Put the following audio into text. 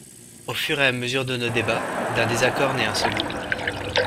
Au fur et à mesure de nos débats, d’un désaccord naît un second.